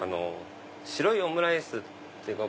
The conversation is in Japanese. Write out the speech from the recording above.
白いオムライスっていうか。